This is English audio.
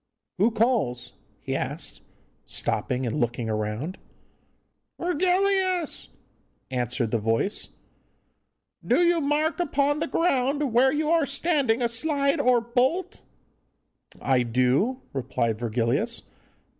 'Who calls?' he asked, stopping and looking round. 'Virgilius!' answered the voice, 'do you mark upon the ground where you are standing a slide or bolt?' 'I do,' replied Virgilius.